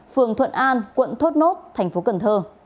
phường thuận an quận thốt nốt tp cn